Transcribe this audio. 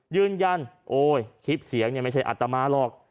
ยืนยันโอ้ยคลิปเสียงเนี่ยไม่ใช่อัตมาหรอก